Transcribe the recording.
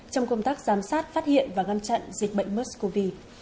trong công tác giám sát phát hiện và ngăn chặn dịch bệnh mers cov